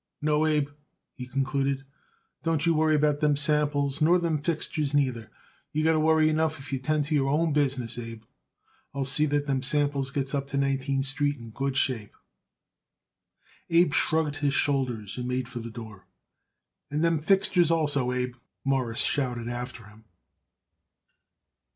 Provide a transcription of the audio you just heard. "No, Abe," he concluded, "don't you worry about them samples, nor them fixtures, neither. You got worry enough if you tend to your own business, Abe. I'll see that them samples gets up to Nineteenth Street in good shape." Abe shrugged his shoulders and made for the door. "And them fixtures also, Abe," Morris shouted after him.